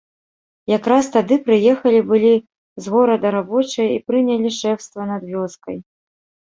Якраз тады прыехалі былі з горада рабочыя і прынялі шэфства над вёскай.